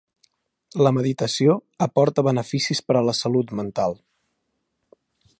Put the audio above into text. La meditació aporta beneficis per a la salut mental.